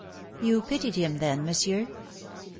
You pitied him, then, monsieur ?"